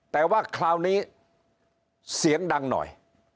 แต่ว่าคราวนี้เสียงดังหน่อย